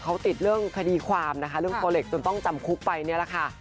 เขาติดเรื่องคดีความนะคะเรื่องโปรเล็กจนต้องจำคุกไปเนี่ยแหละค่ะ